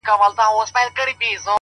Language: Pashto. زما د ښار ځوان ـ